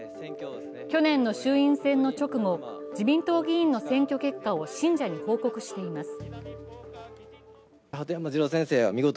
去年の衆院選の直後、自民党議員の選挙結果を信者に報告しています。